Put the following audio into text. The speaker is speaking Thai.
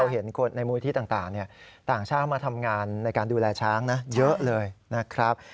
เหมือนอย่างที่เต้ยกับอเล็กรักแน่นอนนะคะ